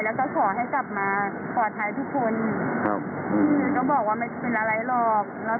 เหมือนกับทุกครั้งกลับบ้านมาอย่างปลอดภัยแต่กลับได้รับข่าวว่าสามีถูกยิงเสียชีวิตขณะปลอดภัย